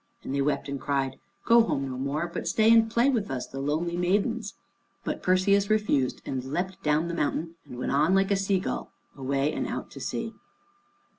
And they wept and cried, "Go home no more, but stay and play with us, the lonely maidens." But Perseus refused and leapt down the mountain, and went on like a sea gull, away and out to sea.